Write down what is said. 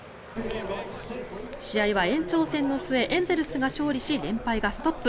試合は延長戦の末エンゼルスが勝利し連敗がストップ。